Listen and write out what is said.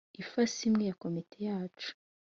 ifasi imwe ya Komite yacu